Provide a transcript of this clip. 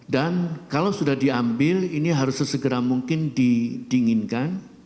dan kalau sudah diambil ini harus sesegera mungkin didinginkan